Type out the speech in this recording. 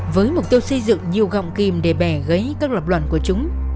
với mục tiêu xây dựng nhiều gọng kìm để bẻ gấy các lập luận của chúng